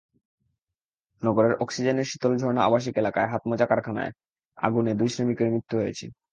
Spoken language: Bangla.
নগরের অক্সিজেনের শীতলঝর্ণা আবাসিক এলাকায় হাতমোজা কারখানায় আগুনে দুই শ্রমিকের মৃত্যু হয়েছে।